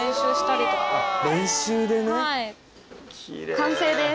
完成です。